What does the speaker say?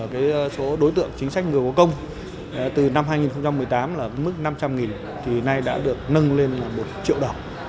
cái số đối tượng chính sách người có công từ năm hai nghìn một mươi tám là mức năm trăm linh thì nay đã được nâng lên là một triệu đồng